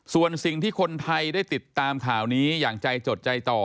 ส่วนสิ่งที่คนไทยได้ติดตามข่าวนี้อย่างใจจดใจต่อ